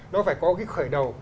nó phải có cái khởi đầu